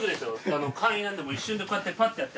簡易なんで一瞬でこうやってパッてやって。